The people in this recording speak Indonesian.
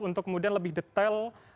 untuk kemudian lebih detail